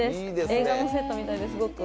映画のセットみたいで、すごく。